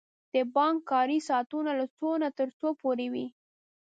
د بانک کاری ساعتونه له څو نه تر څو پوری وی؟